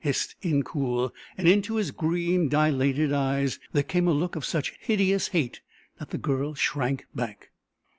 hissed Incoul, and into his green, dilated eyes there came a look of such hideous hate that the girl shrank back.